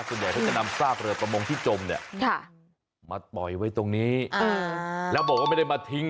ส่วนใหญ่เขาจะนำซากเรือประมงที่จมเนี่ย